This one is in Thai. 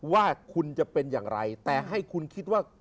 ว่าคุณจะเป็นอย่างไรแต่ให้คุณคิดว่า